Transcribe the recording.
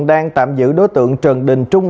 đang tạm giữ đối tượng trần đình trung